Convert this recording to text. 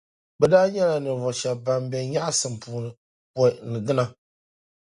Bɛ daa nyɛla ninvuɣu shεba ban be nyεɣisim puuni pɔi ni dina.